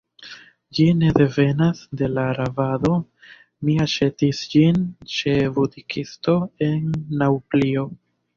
Ĝi ne devenas de la rabado; mi aĉetis ĝin ĉe butikisto, en Naŭplio.